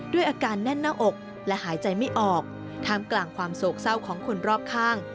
ด้วยอาการแน่นหน้าอกและหายใจไม่ออกท่ามกลางความโศกเศร้าของคนรอบข้าง